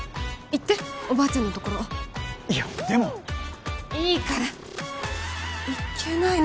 行っておばあちゃんのところいやでもいいからいっけない